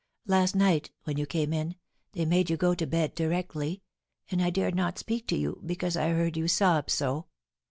Last night, when you came in, they made you go to bed directly, and I dared not speak to you, because I heard you sob so."